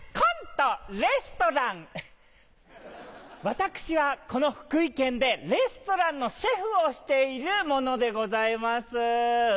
私はこの福井県でレストランのシェフをしている者でございます。